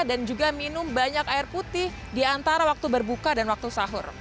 dan juga minum banyak air putih di antara waktu berbuka dan waktu sahur